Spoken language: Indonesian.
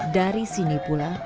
dari sini pula